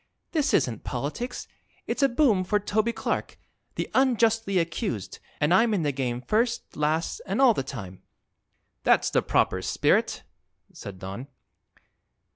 "This isn't politics; it's a boom for Toby Clark, the Unjustly Accused, and I'm in the game first, last an' all the time." "That's the proper spirit," said Don.